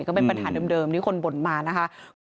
ก็เป็นปัญหาเดิมที่คนบ่นมานะคะ